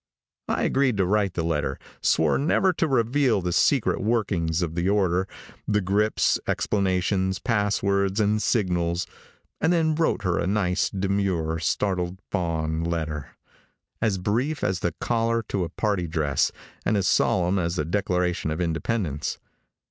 I agreed to write the letter, swore never to reveal the secret workings of the order, the grips, explanations, passwords and signals, and then wrote her a nice, demure, startled fawn letter, as brief as the collar to a party dress, and as solemn as the Declaration of Independence.